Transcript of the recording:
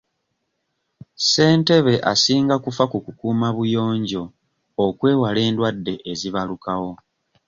Ssentebe asinga kufa ku kukuuma buyonjo okwewala endwadde ezibalukawo.